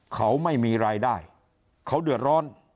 เขาไม่มีรายได้เขาเดือดร้อน